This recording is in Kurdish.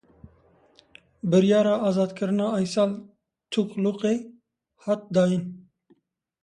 Biryara azadkirina Aysel Tuglukê hat dayîn.